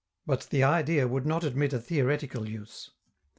But the idea would not admit a theoretical use.